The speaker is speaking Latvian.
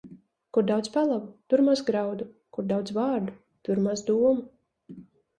Kur daudz pelavu, tur maz graudu; kur daudz vārdu, tur maz domu.